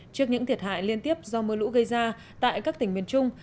trước những thiệt hại liên tiếp do mưa lũ gây ra tại các tỉnh miền trung